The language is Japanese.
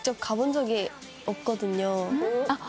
あっ。